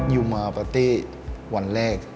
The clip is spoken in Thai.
อยู่มาปฏิวันแรก